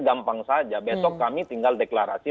gampang saja besok kami tinggal deklarasi